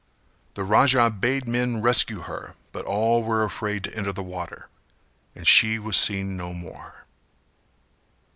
The Raja bade men rescue her but all were afraid to enter the water and she was seen no more.